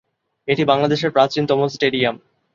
এটি বাংলাদেশের প্রাচীনতম স্টেডিয়াম।